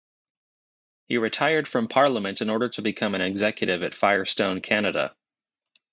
He retired from parliament in order to become an executive at Firestone Canada.